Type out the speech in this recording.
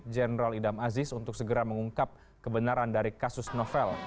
jenderal idam aziz untuk segera mengungkap kebenaran dari kasus novel